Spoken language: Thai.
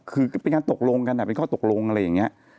คือเป็นการตกลงกันเป็นข้อตกลงอะไรอย่างนี้